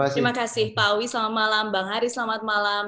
terima kasih pak awi selamat malam bang haris selamat malam